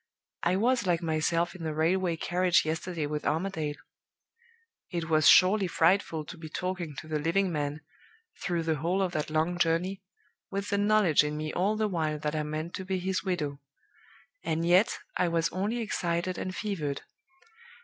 I was like myself in the railway carriage yesterday with Armadale. It was surely frightful to be talking to the living man, through the whole of that long journey, with the knowledge in me all the while that I meant to be his widow and yet I was only excited and fevered.